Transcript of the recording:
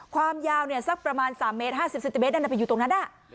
ความยาวสักประมาณ๓เมตร๕๐เซนติเมตรไปอยู่ตรงนั้น